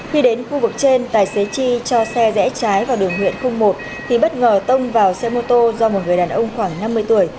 khi đến khu vực trên tài xế chi cho xe rẽ trái vào đường huyện khung một thì bất ngờ tông vào xe mô tô do một người đàn ông khoảng năm mươi tuổi